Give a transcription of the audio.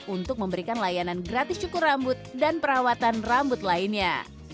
untuk memberikan layanan gratis cukur rambut dan perawatan rambut lainnya